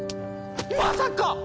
⁉まさかっ